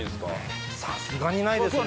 さすがにないですね。